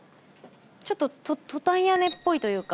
ちょっとトタン屋根っぽいというか。